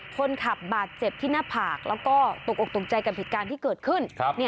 คนขับบาดเจ็บที่หน้าผากแล้วก็ตกอกตกใจกับเหตุการณ์ที่เกิดขึ้น